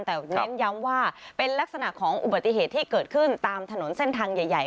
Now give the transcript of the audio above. แต่เน้นย้ำว่าเป็นลักษณะของอุบัติเหตุที่เกิดขึ้นตามถนนเส้นทางใหญ่